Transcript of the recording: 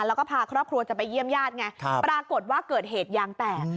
แล้วก็พาครอบครัวจะไปเยี่ยมญาติไงปรากฏว่าเกิดเหตุยางแตก